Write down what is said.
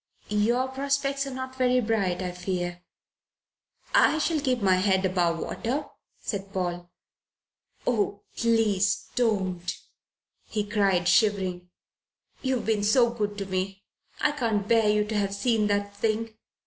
"Your prospects are not very bright, I fear." "I shall keep my head above water," said Paul. "Oh, please don't!" he cried, shivering. "You have been so good to me. I can't bear you to have seen that thing.